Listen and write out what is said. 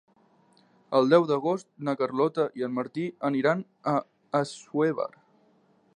El deu d'agost na Carlota i en Martí aniran a Assuévar.